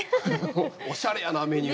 おしゃれやなメニュー。